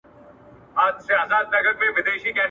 زرین انځور د تحقیق په برخه کي مشهور دئ.